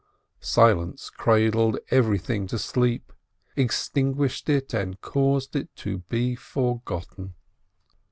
Silence cradled everything to sleep, extinguished it, and caused it to be forgotten.